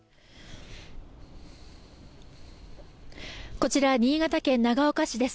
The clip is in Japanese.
こちら新潟県長岡市です。